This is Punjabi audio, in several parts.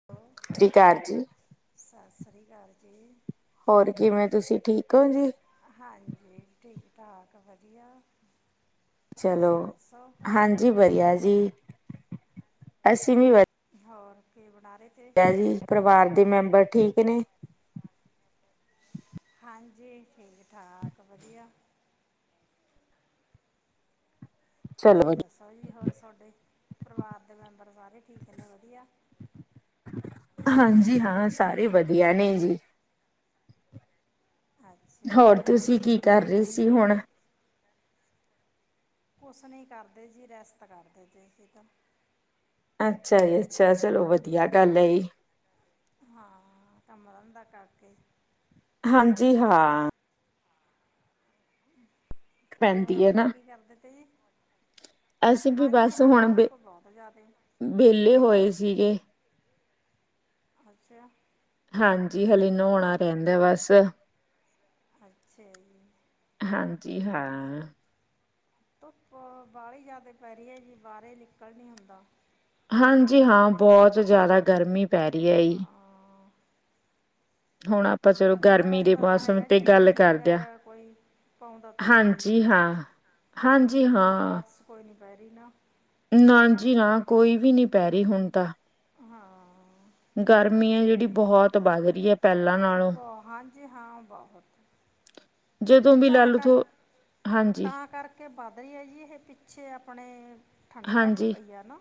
[unintelligible] ਜੀ। ਸਤਿ ਸ਼੍ਰੀ ਅਕਾਲ ਜੀ। ਹੋਰ ਕਿਵੇਂ ਤੁਸੀਂ ਠੀਕ ਹੋ ਜੀ? ਹਾਂਜੀ ਠੀਕ-ਠਾਕ ਵਧੀਆ। ਤੁਸੀਂ ਦੱਸੋ? ਜੀ ਵਧੀਆ ਜੀ, ਅੱਸੀ ਵੀ ਵਧੀ ਹੋਰ ਕੀ ਬਣਾ ਰੇ? [unintelligible] ਜੀ ਪਰਿਵਾਰ ਦੇ ਮੈਂਬਰ ਠੀਕ ਨੇ? ਹਾਂਜੀ, ਠੀਕ-ਠਾਕ ਵਧੀਆ। ਚਲੋ ਤੁਸੀਂ ਵਧੀਆ ਦੱਸੋ ਜੀ ਹੋਰ ਸੋਡੇ ਪਰਿਵਾਰ ਦੇ ਮੈਂਬਰ ਸਾਰੇ ਠੀਕ ਨੇਂ ਵਧੀਆ? ਹਾਂਜੀ ਹਾਂ, ਸਾਰੇ ਵਧੀਆ ਨੇਂ ਜੀ। ਅੱਛਾ ਜੀ ਹੋਰ ਤੁਸੀਂ ਕੀ ਕਰ ਬਣਾਣੇ ਰਹੇ ਸੀ ਹੁੰਣੇ ਔ। ਹੁਣ ਕੁਛ ਨੀਂ ਕਰਦੇ ਜੀ ਰੈਸਟ ਕਰਦੇ ਜੇ ਅਸੀ ਤਾਂ। ਅੱਛਾ ਜੀ, ਅੱਛਾ ਚਲੋ ਵਧੀਆ ਗੱਲ ਐ। ਹਾਂ ਕਮਰਾ ਹੁੰ ਦਾ ਕਰਕੇ। ਹਾਂਜੀ ਹਾਂ। ਹੋਰ ਪੈਂਦੀ ਹੈ ਆਪਾਂ ਨਾ ਕੀ ਕਰਦੇ ਤੇ ਤੇ ਜੀ ਅਸੀਂ ਵੀ ਹਾਂਜੀ ਬਸ ਹਾਂ ਹੁਣ ਬੇ ਧੁੱਪ ਬਹੁਤ ਜ਼ਿਆਦਾ ਵਿਹਲੇ ਹੋਏ ਸੀਗੇ। ਅੱਛਾ। ਹਾਂਜੀ ਹਲੇ ਨੋਣਾ ਰਹਿੰਦਾ ਬਸ। ਅੱਛਾ ਜੀ। ਹਾਂਜੀ ਹਾਂ। ਧੁੱਪ ਬਾਹਲੀ ਜ਼ਿਆਦਾ ਪੈ ਰਹੀ ਏ ਜੀ, ਬਾਹਰ ਨਿਕਲ ਨਹੀਂ ਹੁੰਦਾ। ਹਾਂਜੀ ਹਾਂ, ਬਹੁਤ ਜ਼ਿਆਦਾ ਗਰਮੀ ਪੈ ਰਹੀ ਏ ਈ ਹਾਂ [inaudible] ਹੁਣ ਆਪ ਆਪਾਂ ਅਤੇ ਚਲੋ ਬੱਦਲ ਗਰਮੀ ਦੇ ਆਉਂਦਾ ਤਾਂ ਮੌਸਮ ਹੈਗਾ ਤੇ ਜੀ ਗੱਲ ਮੀਂਹ ਕਰਦੇਆਂ। ਵਗੈਰਾ ਕੋਈ ਪਾਉਂਦਾ ਤਾਂ ਕੋਈ ਨਹੀਂ ਹਾਂਜੀ ਹਾਂ, ਹਾਂਜੀ ਵੀ ਹਾਂ। ਬਾਰਿਸ਼ ਕੋਈ ਨਹੀਂ [unintelligible] ਨਾ ਨਾਂ ਜੀ ਨਾਂ, ਕੋਈ ਵੀ ਨ੍ਹੀਂ ਪੈ ਰਹੀ ਹੁਣ ਤਾਂ। ਹਾਂ। ਗਰਮੀ ਏ ਜਿਹੜੀ, ਬਹੁਤ ਵੱਧ ਰਹੀ ਐ ਪਹਿਲਾਂ ਨਾਲੋਂ। ਬਹੁ ਹਾਂਜੀ ਹਾਂ, ਬਹੁਤ ਜਦੋਂ ਤੇ ਵੀ ਲਾ ਤਾਂ ਲਓ ਕਰ ਥੋ ਹਾਂਜੀ ਤਾਂ ਕਰਕੇ ਹ ਕੇ ਵੱਧ ਰਹੀ ਹੈ ਜੀ ਇਹ ਪਿੱਛੇ ਆਪਣੇ ਠੰਡ ਘੱਟ ਹਾਂਜੀ ਪਈ ਆ ਨਾ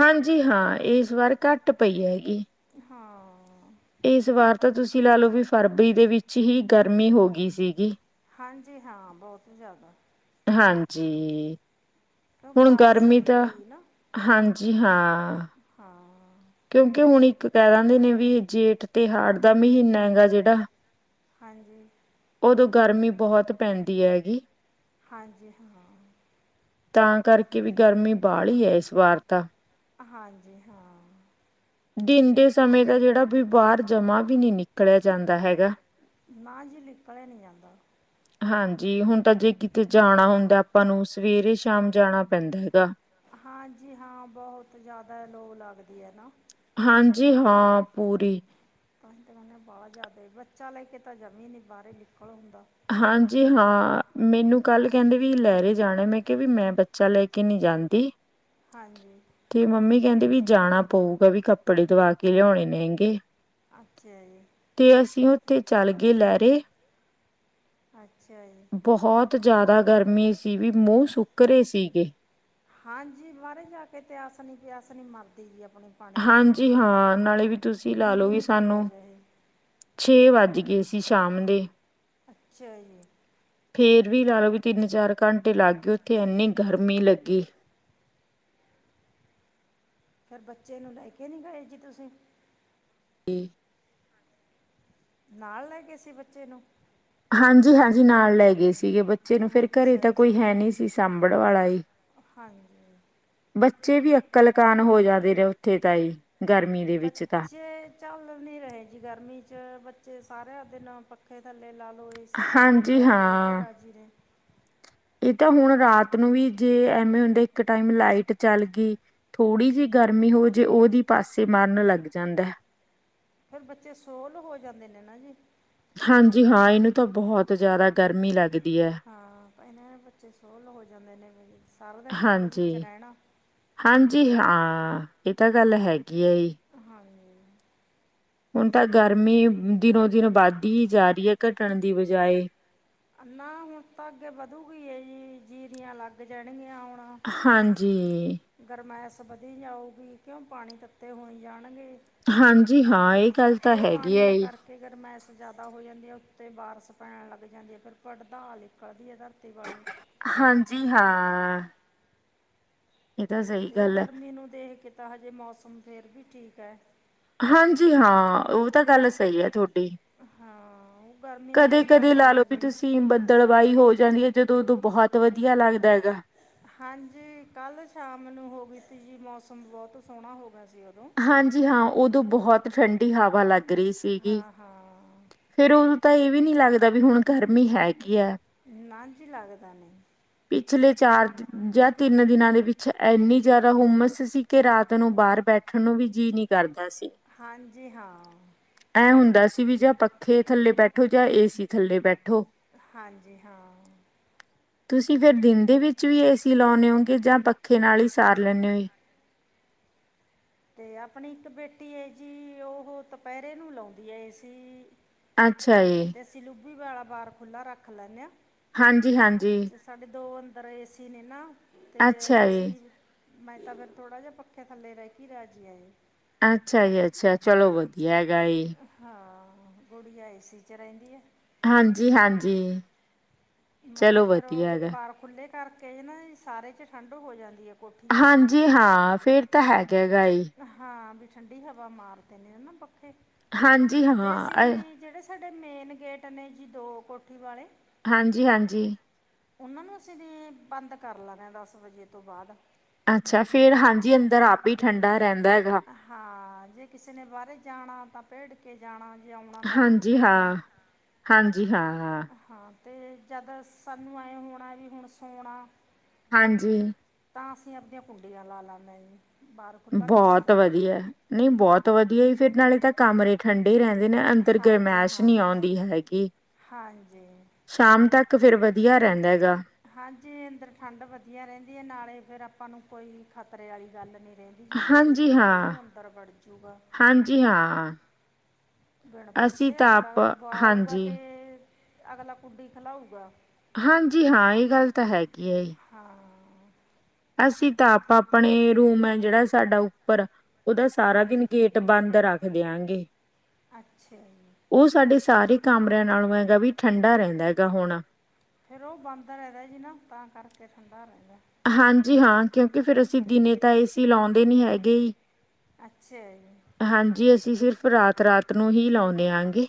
ਹਾਂਜੀ ਹਾਂ, ਇਸ ਵਾਰ ਘੱਟ ਪਈ ਹੈਗੀ। ਹਾਂ। ਇਸ ਵਾਰ ਤਾਂ ਤੁਸੀਂ ਲਾ ਲੋ ਵੀ ਫਰਵਰੀ ਦੇ ਵਿੱਚ ਹੀ ਗਰਮੀ ਹੋ ਗਈ ਸੀਗੀ। ਹਾਂਜੀ ਹਾਂ ਬਹੁਤ ਜ਼ਿਆਦਾ। ਹਾਂਜੀ। ਕਿਉਂ ਹੁਣ ਬਾਰਿਸ਼ ਗਰਮੀ ਨਹੀਂ ਤਾਂ, ਪਈ ਨਾ ਹਾਂਜੀ ਹਾਂ ਹਾਂ ਕਿਉਂਕਿ ਹੁਣ ਇੱਕ ਕਹਿ ਦਿੰਦੇ ਨੇਂ ਵੀ ਜੇਠ ਤੇ ਹਾੜ ਦਾ ਮਹੀਨਾ ਹੈਗਾ ਜਿਹੜਾ ਹਾਂਜੀ। ਉਦੋਂ ਗਰਮੀ ਬਹੁਤ ਪੈਂਦੀ ਹੈਗੀ। ਹਾਂਜੀ ਹਾਂ। ਤਾਂ ਕਰਕੇ ਵੀ ਗਰਮੀ ਬਾਹਲੀ ਏ, ਇਸ ਵਾਰ ਤਾਂ। ਹਾਂਜੀ ਹਾਂ। ਦਿਨ ਦੇ ਸਮੇਂ ਦਾ ਜਿਹੜਾ ਵੀ ਬਾਹਰ ਜਮਾ ਵੀ ਨ੍ਹੀਂ ਨਿਕਲਿਆ ਜਾਂਦਾ ਹੈਗਾ। ਨਾਂ ਜੀ ਨਿਕਲਿਆ ਨ੍ਹੀਂ ਜਾਂਦਾ। ਹਾਂਜੀ ਹੁਣ ਤਾਂ ਜੇ ਕਿਤੇ ਜਾਣਾ ਹੁੰਦਾ ਆਪਾਂ ਨੂੰ, ਸਵੇਰੇ- ਸ਼ਾਮ ਜਾਣਾ ਪੈਂਦਾ ਹੈਗਾ। ਹਾਂਜੀ ਹਾਂ, ਬਹੁਤ ਜ਼ਿਆਦਾ ਲੋ ਲੱਗਦੀ ਏ ਨਾ। ਹਾਂਜੀ ਹਾਂ ਪੂਰੀ। ਤਾਂ ਹੀ ਤਾਂ ਕਹ ਬਾਹ ਜ਼ਿਆਦਾ ਬੱਚਾ ਲੈ ਕੇ ਤਾਂ ਜਮੀ ਨੀਂ ਬਾਹਰੇ ਨਿਕਲ ਹੁੰਦਾ। ਹਾਂਜੀ ਹਾਂ, ਮੈਨੂੰ ਕੱਲ੍ਹ ਕਹਿੰਦੇ ਵੀ ਲੈਰੇ ਜਾਣਾ ਮੈਂ ਕਿਹਾ ਵੀ ਮੈਂ ਬੱਚਾ ਲੈ ਕੇ ਨ੍ਹੀਂ ਜਾਂਦੀ। [unintelligible] ਹਾਂਜੀ। ਤੇ ਮੰਮੀ ਕਹਿੰਦੀ ਵੀ ਜਾਣਾ ਪਊਗਾ ਵੀ ਕੱਪੜੇ ਦਵਾ ਕੇ ਲਿਆਉਣੇ ਨੇ ਗੇ। ਅੱਛਾ। ਤੇ ਅਸੀਂ ਉੱਥੇ ਚੱਲ ਗਏ ਲਹਿਰੇ? ਅੱਛਾ ਜੀ। ਬਹੁਤ ਜ਼ਿਆਦਾ ਗਰਮੀ ਸੀ ਵੀ ਮੂੰਹ ਸੁੱਕ ਰਰੇ ਸੀ ਗੇ। ਹਾਂਜੀ ਬਾਹਰ ਜਾ ਕੇ ਤੇਿਆਸ ਨੀ ਪਿਆਸ ਨੀ ਮਰਦੀ ਜੀ ਆਪਣੀ। ਪਾਣੀ ਵਾਲੀ ਹਾਂਜੀ ਹਾਂ ਨਾਲੇ ਵੀ ਤੁਸੀਂ ਲਾ ਲਓ ਵੀ ਕਿੰਨੀ ਪੀ ਲੈ ਸਾਨੂੰ ਜਾਏ ਛੇ ਵੱਜ ਗਏ ਸੀ ਸ਼ਾਮ ਦੇ। ਅੱਛਾ ਜੀ। ਫੇਰ ਵੀ ਲਾ ਲਓ ਵੀ ਤਿੰਨ ਚਾਰ ਘੰਟੇ ਲੱਗ ਗਏ ਉੱਥੇ ਐੰਨੀ ਗਰਮੀ ਲੱਗੀ। ਫੇਰ ਬੱਚੇ ਨੂੰ ਲੈ ਕੇ ਨਹੀਂ ਗਏ ਜੀ ਤੁਸੀਂ? [unintelligible] ਨਾਲ ਲੈ ਗਏ ਸੀ ਬੱਚੇ ਨੂੰ? ਹਾਂਜੀ ਹਾਂਜੀ ਨਾਲ ਲੈ ਗਏ ਸੀਗੇ ਬੱਚੇ ਨੂੰ ਫੇਰ ਘਰੇ ਅੱਛਾ ਤਾਂ ਕੋਈ ਅੱਛਾ ਹੈ ਨਹੀਂ ਸੀ ਸਾਂਬਣ ਵਾਲਾ ਹੀ। [inaudible] ਹਾਂਜੀ। ਬੱਚੇ ਵੀ ਅਕਲਕਾਨ ਹੋ ਜਾਂਦੇ ਰਹੇ ਉੱਥੇ ਤ ਹੀ ਬੱਚੇ ਚੱਲ ਨੀ ਰਹੇ ਜੀ ਗਰਮੀ ਚ ਬੱਚੇ ਸਾਰਿਆਂ ਦਿਨ ਪੱਖੇ ਥੱਲੇ ਲਾ ਲਓ? ਅਸੀਂ ਥੱਲੇ ਹਾਂਜੀ ਬਗੈਰ ਰਹਿ ਕੇ ਹਾਂ ਰਾਜੀ ਨੇ? ਇਹ ਤਾਂ ਹੁਣ ਰਾਤ ਨੂੰ ਵੀ ਜੇ ਐਵੇਂ ਹੁੰਦੇ ਇੱਕ ਟਾਈਮ ਲਾਈਟ ਚੱਲ ਗਈ? ਥੋੜ੍ਹੀ ਜਿਹੀ ਗਰਮੀ ਹੋ ਜੇ ਉਹਦੀ ਪਾਸੇ ਮਰਨ ਲੱਗ ਜਾਂਦੈ। ਫਿਰ ਬੱਚੇ ਸੋਹਲ ਹੋ ਜਾਂਦੇ ਨੇ ਨਾ ਜੀ। ਹਾਂਜੀ ਹਾਂ ਇਹਨੂੰ ਤਾਂ ਬਹੁਤ ਜ਼ਿਆਦਾ ਗਰਮੀ ਲੱਗਦੀ? ਹੈ। ਹਾਂ ਭੈਣੇ ਬੱਚੇ ਸੋਹਲ ਹੋ ਜਾਂਦੇ ਨੇ ਵੀ ਸਾਰਾ ਦਿਨ ਠੰਡ ਵਿੱਚ ਹਾਂਜੀ ਰਹਿਣਾ? ਹਾਂਜੀ ਹਾਂ ਇਹ ਤਾਂ ਗੱਲ ਹੈਗੀ ਹੈ ਜੀ। ਹਾਂਜੀ। ਹੁਣ ਤਾਂ ਗਰਮੀ ਦਿਨੋ ਦਿਨ ਵੱਧਦੀ ਹੀ ਜਾ ਰਹੀ ਹੈ, ਘਟਣ ਦੀ ਬਜਾਏ। ਨਾ ਹੁਣ ਤਾਂ ਅੱਗੇ ਵਧੂਗੀ ਜੀ ਜੀਰੀਆਂ ਲੱਗ ਜਾਣਗੀਆਂ ਹੁਣ। ਹਾਂਜੀ। ਗਰਮਾਇਸ ਵਧੀ ਜਾਊਗੀ ਕਿਉਂ ਪਾਣੀ ਤੱਤੇ ਹੋਈ ਜਾਣਗੇ। ਹਾਂਜੀ ਹਾਂ ਇਹ ਗੱਲ ਤਾਂ ਹੈਗੀ ਹੈ ਹੀ। ਕਿ ਗਰਮੈਸ਼ ਜ਼ਿਆਦਾ ਹੋ ਜਾਂਦੀ ਹੈ ਉੱਤੇ ਬਾਰਸ਼ ਪੈਣ ਲੱਗ ਜਾਂਦੀ ਹੈ। ਫਿਰ ਪੜਦਾ ਨਿਕਲਦੀ ਹੈ ਧਰਤੀ ਵਾਲੀ। ਹਾਂਜੀ ਹਾਂ। ਇਹ ਤਾਂ ਸਹੀ ਤੇ ਉਹ ਗੱਲ ਹੈ। ਗਰਮੀ ਨੂੰ ਦੇਖ ਕੇ ਤਾਂ ਹਜੇ ਮੌਸਮ ਫਿਰ ਵੀ ਠੀਕ ਹੈ। ਹਾਂਜੀ ਹਾਂ ਉਹ ਤਾਂ ਗੱਲ ਸਹੀ ਹੈ ਤੁਹਾਡੀ। ਹਾਂ ਉਹ ਗਰਮੀ ਨੇ ਤਾਂ ਕਦੇ ਜੀ ਕਦੇ ਆਉਣਾ ਲਾ ਹੈ ਲਓ ਬੀ ਹਜੇ ਤੁਸੀਂ ਬੰ? ਦੜਵਾਈ ਹੋ ਜਾਂਦੀ ਹੈ ਜਦੋਂ ਉਦੋਂ ਬਹੁਤ ਵਧੀਆ ਲੱਗਦਾ ਹੈਗਾ। ਹਾਂਜੀ ਕੱਲ੍ਹ ਸ਼ਾਮ ਨੂੰ ਹੋ ਗਈ ਸੀ ਜੀ ਮੌਸਮ ਬਹੁਤ ਸੋਹਣਾ ਹੋ ਗਿਆ ਸੀ ਉਦੋਂ। ਹਾਂਜੀ ਹਾਂ ਉਦੋਂ ਬਹੁਤ ਠੰਡੀ ਹਵਾ ਲੱਗ ਰਹੀ ਸੀਗੀ। ਹਾਂ ਹਾਂ ਫੇਰ ਉਦੋਂ ਤਾਂ ਇਹ ਵੀ ਨੀ ਲੱਗਦਾ ਵੀ ਹੁਣ ਗਰਮੀ ਹੈ ਕੀ ਹੈ। ਨਾ ਜੀ ਲੱਗਦਾ ਨਹੀਂ। ਪਿਛਲੇ ਚਾਰ? ਜਾਂ ਤਿੰਨ ਦਿਨਾਂ ਦੇ ਵਿੱਚ ਇੰਨੀ ਜ਼ਿਆਦਾ ਹੁਮਸ ਸੀ ਕਿ ਰਾਤ ਨੂੰ ਬਾਹਰ ਬੈਠ? ਬੈਠਣ ਨੂੰ ਵੀ ਜੀਅ ਨੀ ਕਰਦਾ ਸੀ। ਹਾਂਜੀ, ਹਾਂ ਐ ਹੁੰਦਾ ਸੀ ਵੀ ਜਾਂ ਪੱਖੇ ਥੱਲੇ ਬੈਠੋ, ਜਾਂ ਏਸੀ ਥੱਲੇ ਬੈਠੋ। ਹਾਂਜੀ, ਹਾਂ ਤੁਸੀਂ, ਫਿਰ ਦਿਨ ਦੇ ਵਿੱਚ ਵੀ ਏ ਸੀ ਲਾਉਂਦੇ ਓ? ਜਾਂ ਪੱਖੇ ਨਾਲ ਹੀ ਸਾਰ ਲੈਂਦੇ ਹੋ। ਤੇ ਆਪਣੀ ਇੱਕ ਬੇਟੀ ਏ ਜੀ ਉਹ ਦੁਪਹਿਰੇ ਨੂੰ ਲਾਉਂਦੀ ਆ, ਏ ਸੀ। ਅੱਛਾ ਜੀ। ਦੇਸੀ ਲੋਬੀ ਵਾਲਾ ਬਾਰ, ਖੁੱਲ੍ਹਾ ਰੱਖ ਲੈਦੇ ਹਾਂ। ਹਾਂਜੀ, ਹਾਂਜੀ। ਤੇ ਸਾਡੇ ਦੋ, ਅੰਦਰ ਏਸੀ ਨੇ ਨਾ ਤੇ ਅੱਛਾ ਜੀ। ਅਸੀਂ ਮੈਂ ਤਾਂ ਫਿਰ, ਥੋੜ੍ਹਾ ਜਿਹਾ ਪੱਖੇ ਥੱਲੇ ਰਹਿ ਕੇ ਰਾਹਿ ਜੀ ਆਏ। ਅੱਛਾ ਜੀ, ਅੱਛਾ ਚਲੋ ਵਧੀਆ ਹੈਗਾ। ਹਾਂ, ਗੁੜੀਆ ਏ ਸੀ ਚ ਰੇਂਦੀ ਹੈ। ਹਾਂਜੀ, ਹਾਂਜੀ। ਮੈਂ, ਚਲੋ ਫਿਰ ਉਹ ਵਧੀਆ ਹੈਗਾ ਬਾਹਰ ਖੁੱਲ੍ਹੇ ਕਰਕੇ ਨਾ ਸਾਰੇ 'ਚ ਠੰਡ ਹੋ ਜਾਂਦੀ ਹੈ ਕੋਠੀ 'ਚ। ਜੀ ਹਾਂ, ਫੇਰ ਤਾਂ ਹੈਗਾ ਗਾਲ। ਹਾਂ, ਵੀ ਠੰਡੀ ਹਵਾ ਮਾਰਦੇ ਨੇ ਨਾ ਪੱਖੇ ਹਾਂਜੀ ਤੇ ਹਾਂ ਅਸੀਂ ਅ ਜਿਹੜੇ? ਸਾਡੇ ਮੇਨ ਗੇਟ ਨੇ ਜੀ, ਦੋ ਕੋਠੀ ਵਾਲੇ। ਹਾਂਜੀ, ਹਾਂਜੀ। ਉਹਨਾਂ ਨੂੰ ਅਸੀਂ ਬੰਦ ਕਰ ਲੈ ਰਹੇ ਹਾਂ, ਦਸ ਵਜੇ ਤੋਂ ਬਾਅਦ। ਅੱਛਾ, ਫੇਰ ਹਾਂਜੀ ਅੰਦਰ ਆਪ ਹੀ ਠੰਡਾ ਰਹਿੰਦਾ ਹੈਗਾ। ਹਾਂ, ਜੇ ਕਿਸੇ ਨੇ ਬਾਹਰ ਜਾਣਾ ਤਾਂ ਭੇੜ ਕੇ ਜਾਣਾ, ਜੇ ਆਉਣਾ ਤਾਂ ਵੀ ਹਾਂਜੀ ਭੇੜਨਾ। ਹਾਂ ਹਾਂਜੀ, ਹਾਂ। ਅਤੇ ਜਦ ਸਾਨੂੰ ਐਵੇਂ ਹੋਣਾ, ਵੀ ਹੁਣ ਸੋਣਾ ਹਾਂਜੀ। ਤਾਂ ਅਸੀਂ, ਆਪਦੀਆਂ ਕੁੰਡੀਆਂ ਲਾ ਲੈਂਦੇ ਜੀ। ਬਾਹਰ ਖੁੱਲ੍ਹਾ ਨਹੀਂ ਅਸੀਂ ਬਹੁਤ ਰੱਖਦੇ ਵਧੀਆ, ਨਹੀਂ ਬਹੁਤ ਵਧੀਆ ਹੀ ਫਿਰ ਨਾਲੇ ਤੱਕ ਤਾਂ ਕਮਰੇ ਠੰਡੇ ਰਹਿੰਦੇ ਨੇ, ਅੰਦਰ ਹਾਂਜੀ ਗਰਮੈਸ਼ ਹਾਂ ਨਹੀਂ ਆਉਂਦੀ ਹੈਗੀ। ਹਾਂਜੀ। ਸ਼ਾਮ ਤੱਕ, ਫਿਰ ਵਧੀਆ ਰਹਿੰਦਾ ਹੈਗਾ। ਹਾਂਜੀ, ਅੰਦਰ ਠੰਡ ਵਧੀਆ ਰਹਿੰਦੀ ਹੈ ਨਾਲੇ ਫੇਰ ਆਪਾਂ ਨੂੰ ਕੋਈ ਖ਼ਤਰੇ ਵਾਲੀ ਗੱਲ ਨੀ। ਰਹਿੰਦੀ ਜੀ, ਵੀ ਕੋਈ ਹਾਂਜੀ ਹਾਂ ਦੁਪਹਿਰੇ ਨੂੰ ਅੰਦਰ ਵੜ ਜੂਗਾ। ਹਾਂਜੀ, ਹਾਂ। ਬਿਣ ਅਸੀਂ ਪੁੱਛੇ, ਤਾਂ ਅਗਲਾ ਆਪ ਆਊਗਾ ਹਾਂਜੀ ਤੇ ਅਗਲਾ ਕੁੰਡੀ ਖਲਾਊਗਾ। ਹਾਂਜੀ ਹਾਂ, ਇਹ ਗੱਲ ਤਾਂ ਹੈਗੀ ਆ। ਹਾਂ। ਅਸੀਂ ਤਾਂ ਆਪ ਆਪਣੇ ਰੂਮ ਹੈ ਜਿਹੜਾ ਸਾਡਾ ਉੱਪਰ, ਉਹਦਾ ਸਾਰਾ ਦਿਨ ਹਾਂਜੀ ਗੇਟ ਬੰਦ ਰੱਖ ਦਿਆਂਗੇ। ਅੱਛਾ ਜੀ। ਉਹ ਸਾਡੇ ਸਾਰੇ ਕਮਰਿਆਂ ਨਾਲੋਂ, ਹੈਗਾ ਵੀ ਠੰਡਾ ਰਹਿੰਦਾ ਹੈਗਾ ਹੁਣਾ। ਫੇਰ, ਉਹ ਬੰਦ ਰਹਿੰਦਾ ਜੀ ਨਾ ਤਾਂ ਕਰਕੇ ਠੰਡਾ ਰਹਿੰਦਾ। ਹਾਂਜੀ, ਹਾਂ ਕਿਉਂਕਿ ਫਿਰ ਅਸੀਂ ਦਿਨੇ ਤਾਂ ਏ ਸੀ ਲਾਉਂਦੇ ਨਹੀਂ ਹੈਗੇ। ਅੱਛਾ ਜੀ। ਹਾਂਜੀ, ਅਸੀਂ ਸਿਰਫ਼ ਰਾਤ -ਰਾਤ ਨੂੰ ਹੀ ਲਾਉਂਦੇ ਆਗੇ।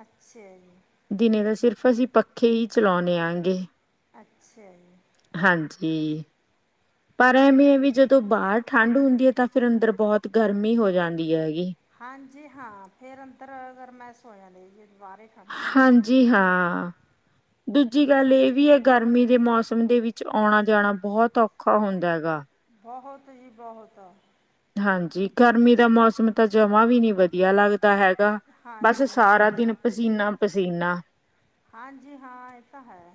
ਅੱਛਾ ਜੀ। ਦਿਨੇ ਤਾ ਸਿਰਫ਼, ਅਸੀਂ ਪੱਖੇ ਹੀ ਚਲਾਉਂਦੇ ਹੈਗੇ। ਅੱਛਾ ਜੀ। ਹਾਂਜੀ। ਪਰ, ਐਵੇਂ ਹੈ ਵੀ ਜਦੋਂ ਬਾਹਰ ਠੰਢ ਹੁੰਦੀ ਹੈ ਤਾਂ ਫਿਰ ਅੰਦਰ ਬਹੁਤ ਗਰਮੀ ਹੋ ਜਾਂਦੀ ਹੈਗੀ। ਹਾਂਜੀ, ਹਾਂ ਫੇਰ ਅੰਦਰ ਗੈਰਮਾਇਸ ਹੋ ਜਾਂਦੇ ਜੀ, ਦੁਬਾਰੇ। ਹਾਂਜੀ, ਹਾਂ। ਦੂਜੀ ਗੱਲ ਇਹ ਵੀ ਹੈ, ਗਰਮੀ ਦੇ ਮੌਸਮ ਦੇ ਵਿੱਚ ਆਉਣਾ ਜਾਣਾ ਬਹੁਤ ਔਖਾ ਹੁੰਦਾ ਹੇਗਾ। ਬਹੁਤ ਹੀ ਬਹੁਤਾ। ਹਾਂਜੀ, ਗਰਮੀ ਦਾ ਮੌਸਮ ਤਾਂ ਜਮਾ ਵੀ ਨੀ ਵਧੀ ਵਧੀਆ ਲੱਗਦਾ ਹੈਗਾ ਬਸ ਹਾਂਜੀ ਹਾਂ ਸਾਰਾ ਦਿਨ ਪਸੀਨਾ-ਪਸੀਨਾ। ਹਾਂਜੀ ਹਾਂ ਇਹ ਤਾਂ ਹੈ।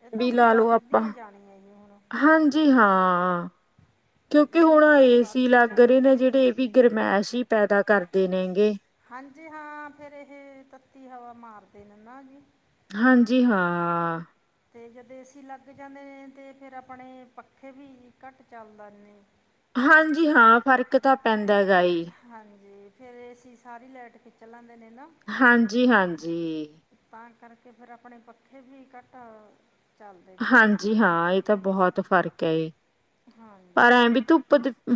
ਇਹ ਤਾਂ ਵੀ ਹੁਣ ਲਾ ਲੋ ਆਪਾਂ ਵੱਧਦੀ ਹੈ ਜਾਣੀ ਹੈ ਜੀ ਹੁਣ ਹਾਂਜੀ ਹਾਂ। ਕਿਉਂਕਿ ਕਹਿੰਦੇ ਨੇ ਹੁਣ ਤਾਂ ਏ ਸੀ ਵੱਧ ਹੀ ਲੱਗ ਜਾਣੀ ਰਹੇ ਹੈ ਨੇ ਜੇੜੇ ਵੀ ਗਰਮੈਸ਼ ਈ ਪੈਦਾ ਕਰਦੇ ਨੇਗੇ ਹਾਂਜੀ ਹਾਂ ਫੇਰ ਇਹ ਤੱਤੀ ਹਵਾ ਮਾਰਦੇ ਨੇ ਨਾ ਜੀ। ਹਾਂਜੀ ਹਾਂ। ਅਤੇ ਜਦ ਏਸੀ ਲੱਗ ਜਾਂਦੇ ਨੇ ਤਾਂ ਫਿਰ ਆਪਣੇ ਪੱਖੇ ਵੀ ਘੱਟ ਚੱਲਦੇ ਨੇ। ਹਾਂਜੀ ਹਾਂ ਫ਼ਰਕ ਤਾਂ ਪੈਂਦਾ ਗਾ ਜੀ। ਹਾਂਜੀ ਫੇਰ ਏਸੀ ਸਾਰੀ ਲੈਟ ਖਿੱਚ ਲੈਂਦੇ ਨੇ ਨਾ ਹਾਂਜੀ-ਹਾਂਜੀ। ਤਾਂ ਕਰਕੇ ਫੇਰ ਆਪਣੇ ਪੱਖੇ ਵੀ ਘੱਟ ਚੱਲਦੇ ਨੇ। ਜੀ ਹਾਂ ਏਤਾਂ ਬਹੁਤ ਫ਼ਰਕ ਏ। ਹਾਂਜੀ।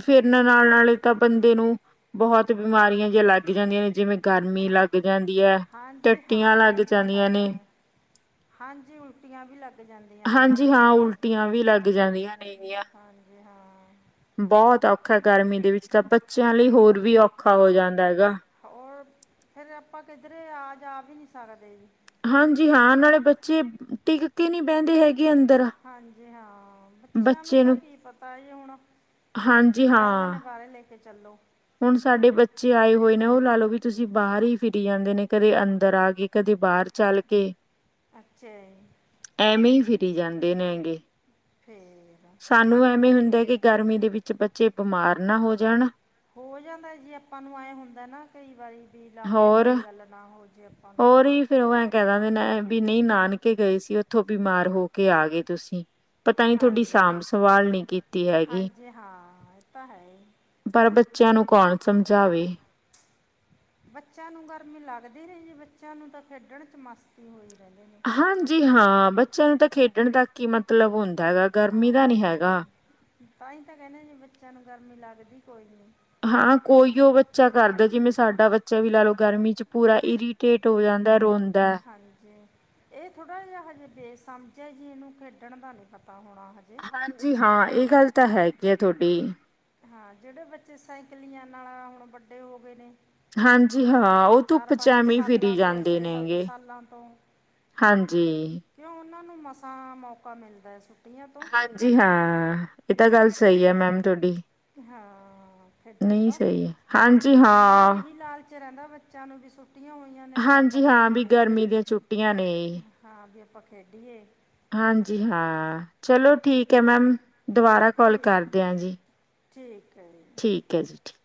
ਫਿਰ ਨਾਲ-ਨਾਲ ਤਾਂ ਬੰਦੇ ਨੂੰ ਬਹੁਤ ਬਿਮਾਰੀਆਂ ਜੀਆਂ ਲੱਗ ਜਾਂਦੀਆਂ ਨੇ ਜਿਵੇਂ ਗਰਮੀ ਲੱਗ ਜਾਂਦੀ ਐ ਹਾਂਜੀ ਟੱਟੀਆਂ ਹਾਂ ਇਹ ਲੱਗ ਤਾਂ ਜਾਂਦੀਆਂ ਨੇ। ਹੈ ਹਾਂਜੀ ਉਲਟੀਆਂ ਵੀ ਲੱਗ ਜਾਂਦੀਆਂ ਨੇ ਹਾਂਜੀ ਗਰਮੀ ਹਾਂ ਨਾਲ ਉਲਟੀਆਂ ਵੀ ਲੱਗ ਜਾਂਦੀਆਂ ਨੇਗੀਆਂ ਹਾਂਜੀ। ਵੀ ਹਾਂ। ਬਹੁਤ ਔਖਾ ਗਰਮੀ ਦੇ ਵਿੱਚ ਤਾਂ ਬੱਚਿਆਂ ਲਈ ਹੋਰ ਵੀ ਔਖਾ ਹੋ ਜਾਂਦਾ ਹੈਗਾ। ਹੋਰ ਫਿਰ ਆਪਾਂ ਕਿੱਧਰੇ ਆ ਜਾ ਵੀ ਨੀ ਸਕਦੇ ਜੀ। ਹਾਂਜੀ ਹਾਂ ਨਾਲੇ ਬੱਚੇ ਟਿੱਕ ਕੇ ਨਹੀਂ ਬਹਿਦੇ ਹੈਗੇ ਅੰਦਰ ਹਾਂਜੀ ਹਾਂ ਬੱਚਿਆਂ ਨੂੰ ਤਾਂ ਕੀ ਪਤਾ ਹੁਣ ਬੱਚੇ ਹਾਂਜੀ ਤਾਂ ਕਹਿ ਦਿੰਦੇ ਹਾਂ ਨੇ ਬਾਹਰੇ ਲੈ ਕੇ ਚੱਲੋ। ਹੁਣ ਸਾਡੇ ਬੱਚੇ ਆਏ ਹੋਏ ਨੇ ਉਹ ਲਾ ਲੋ ਵੀ ਤੁਸੀਂ ਬਾਹਰ ਹੀ ਫਿਰੀ ਜਾਂਦੇ ਨੇ ਕਦੇ ਅੰਦਰ ਆ ਗੇ ਕਦੇ ਬਾਹਰ ਚੱਲਗੇ ਅੱਛਾ ਜੀ। ਐਵੇਂ ਈ ਫਿਰੀ ਜਾਂਦੇ ਨੇ ਹੈਗੇ। ਫੇਰ ਸਾਨੂੰ ਐਵੇਂ ਹੁੰਦਾ ਕਿ ਗਰਮੀ ਦੇ ਵਿੱਚ ਬੱਚੇ ਬਿਮਾਰ ਨਾ ਹੋ ਜਾਣ। ਹੋ ਜਾਂਦਾ ਜੇ ਆਪਾਂ ਨੂੰ ਐਂ ਹੁੰਦਾ ਨਾ ਕਈ ਵਾਰੀ ਵੀ ਲਾਂਬੇ ਵਾਲੀ ਗੱਲ ਨਾ ਹੋ ਜੇ ਆਪਾਂ ਨੂੰ ਫੇਰ ਓ ਐਂ ਕਹਿ ਦਿੰਦੇ ਵੀ ਨਈ ਨਾਨਕੇ ਗਏ ਸੀ ਉੱਥੋਂ ਬਿਮਾਰ ਹੋ ਕੇ ਆ ਗਏ ਤੁਸੀਂ ਪਤਾ ਨੀ ਥੋਡੀ ਹਾਂਜੀ ਸਾਂਭ ਸੰਵਾਲ ਨਹੀਂ ਕੀਤੀ ਹੈਗੀ। ਹਾਂਜੀ ਹਾਂ ਇਹ ਤਾਂ ਹੈ ਹੀ ਪਰ ਬੱਚਿਆਂ ਨੂੰ ਕੌਣ ਸਮਝਾਵੇ। ਬੱਚਿਆਂ ਨੂੰ ਗਰਮੀ ਲੱਗਦੀ ਨੀ ਜੀ ਬੱਚਿਆਂ ਨੂੰ ਤਾਂ ਖੇਡਣ ਚ ਮਸਤੀ ਹੋਈ ਰਹਿੰਦੇ ਨੇ। ਹਾਂਜੀ ਹਾਂ ਬੱਚਿਆਂ ਨੂੰ ਤਾਂ ਖੇਡਣ ਤੱਕ ਹੀ ਮਤਲਬ ਹੁੰਦਾ ਹੈਗਾ ਗਰਮੀ ਦਾ ਨੀ ਹਾਂਜੀ ਹੈਗਾ। ਤਾਂ ਈ ਤਾਂ ਕਹਿੰਦੇ ਜੀ ਬੱਚਿਆਂ ਨੂੰ ਗਰਮੀ ਲੱਗਦੀ ਕੋਈ ਨਹੀਂ। ਹਾਂ ਕੋਈ ਓ ਬੱਚਾ ਕਰਦਾ ਜਿਵੇਂ ਸਾਡਾ ਬੱਚਾ ਵੀ ਲਾ ਲਓ ਗਰਮੀ ਚ ਪੂਰਾ ਇਰੀ ਕੇਟ ਹੋ ਜਾਂਦਾ ਰੋਂਦਾ। ਹਾਂਜੀ ਇਹ ਥੋੜਾ ਜਿਆ ਹਜੇ ਬੇਸਮਝ ਐ ਏਨੂੰ ਖੇਡਣ ਦਾ ਨੀ ਪਤਾ ਹੋਣਾ ਹਜੇ ਹਾਂਜੀ ਹਾਂ ਏ ਗੱਲ ਤਾਂ ਹੈਗੀ ਐ ਥੋਡੀ ਹਾਂ ਜੇੜੇ ਬੱਚੇ ਸਾਈਕਲੀਆਂ ਨਾਲ ਹੁਣ ਵੱਡੇ ਹੋ ਗਏ ਨੇ ਹਾਂਜੀ ਹਾਂ ਓ ਧੁੱਪ ਚ ਐਮੇ ਫਿਰੀ ਸਾਲਾਂ ਤੋਂ ਜਾਂਦੇ ਨੇਗੇੇ। ਸਾਲਾਂ ਤੋਂ ਹਾਂਜੀ। ਕਿਉਂ ਓਨਾਂ ਨੂੰ ਮਸਾਂ ਮੌਕਾ ਮਿਲਦਾ ਐ ਛੁੱਟੀਆਂ ਤੋਂ ਜੀ ਹਾਂ ਏ ਤਾਂ ਗੱਲ ਸਹੀ ਐ ਮੈਮ ਥੋਡੀ। ਹਾਂ ਖੇਡਣ ਦਾ ਹੈ ਹਾਂਜੀ ਉਨਾਂ ਨੂੰ ਹਾਂ। ਇਹੀ ਲਾਲਚ ਰੈਂਦਾ ਬੱਚਿਆਂ ਨੂੰ ਵੀ ਸੁੱਖ ਛੁੱਟੀਆਂ ਹੋਈਆਂ ਨੇ ਤਾਂ ਆਪਾਂ ਹਾਂਜੀ ਹਾਂ ਵੀ ਖੇਡੀਏ ਗਰਮੀ ਦੀਆਂ ਛੁੱਟੀਆਂ ਨੇ ਹਾਂ ਵੀ ਆਪਾਂ ਖੇਡੀਏ ਹਾਂਜੀ ਹਾਂ ਚਲੋ ਠੀਕ ਐ ਮੈਮ ਦੁਬਾਰਾ ਕੌਲ ਠੀਕ ਕਰਦੇ ਆਂ ਜੀ। [unintelligible] ਠੀਕ ਹੈ, ਜੀ ਠੀਕ,